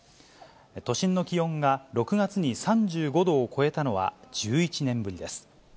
都心の気温が６月に３５度を超えたのは１１年ぶりです。